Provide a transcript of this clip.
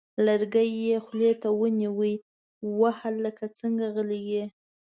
لرګی یې خولې ته ونیوه: وه هلکه څنګه غلی یې!؟